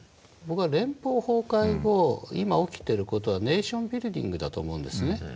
僕は連邦崩壊後今起きている事はネーションビルディングだと思うんですね